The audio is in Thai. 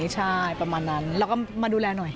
ใช่ประมาณนั้นเราก็มาดูแลหน่อย